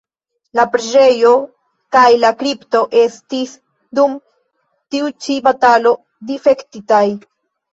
La preĝejo kaj la kripto estis dum tiu ĉi batalo difektitaj.